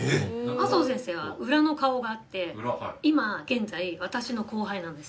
麻生先生は裏の顔があって今現在私の後輩なんです。